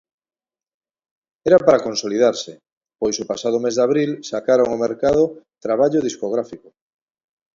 Era para consolidarse, pois o pasado mes de abril sacaron ao mercado traballo discográfico.